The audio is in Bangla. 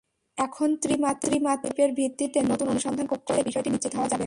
এখন ত্রিমাত্রিক জরিপের ভিত্তিতে নতুন অনুসন্ধান কূপ করলেই বিষয়টি নিশ্চিত হওয়া যাবে।